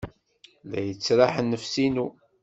La yettraḥ nnefs-inu.